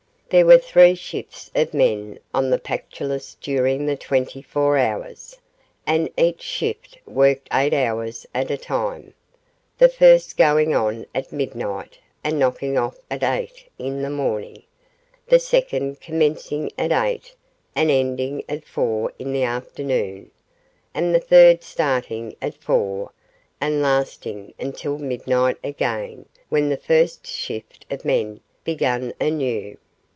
There were three shifts of men on the Pactolus during the twenty four hours, and each shift worked eight hours at a time the first going on at midnight and knocking off at eight in the morning, the second commencing at eight and ending at four in the afternoon, and the third starting at four and lasting until midnight again, when the first shift of men began anew.